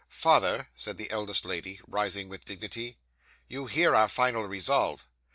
'"Father," said the eldest lady, rising with dignity, "you hear our final resolve.